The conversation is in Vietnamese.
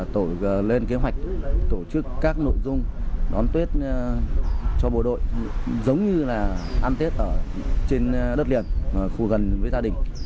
tổ lên kế hoạch tổ chức các nội dung đón tết cho bộ đội giống như là ăn tết ở trên đất liền phù gần với gia đình